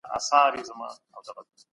زه په ځغاسته کولو بوخت یم.